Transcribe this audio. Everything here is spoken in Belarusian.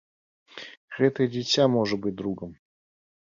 Гэтае дзіця можа быць другам.